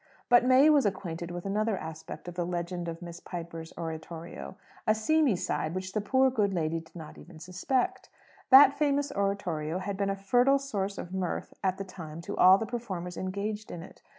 But May was acquainted with another aspect of the legend of Miss Piper's oratorio: a seamy side which the poor good lady did not even suspect. That famous oratorio had been a fertile source of mirth at the time to all the performers engaged in it.